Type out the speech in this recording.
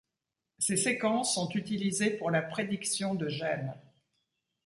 Ces séquences sont utilisées pour la prédiction de gènes.